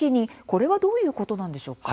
これはどういうことなんでしょうか？